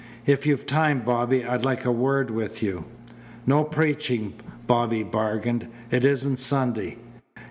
"If you've time, Bobby, I'd like a word with you." "No preaching," Bobby bargained. "It isn't Sunday."